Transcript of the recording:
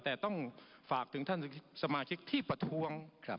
แต่ต้องฝากถึงท่านสมาชิกที่ประท้วง